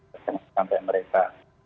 bagaimana sampai mereka